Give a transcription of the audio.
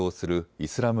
イスラム